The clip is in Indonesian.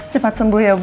cepat sembuh ya bu